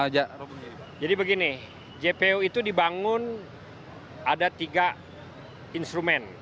jadi begini jpo itu dibangun ada tiga instrumen